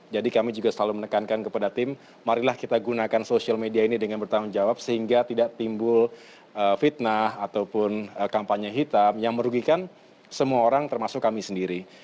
jadi kami juga selalu menekankan kepada tim marilah kita gunakan media sosial ini dengan bertanggung jawab sehingga tidak timbul fitnah ataupun kampanye hitam yang merugikan semua orang termasuk kami sendiri